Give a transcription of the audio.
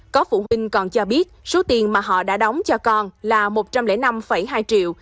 có phụ huynh còn cho biết số tiền mà họ đã đóng cho con là một trăm linh năm hai triệu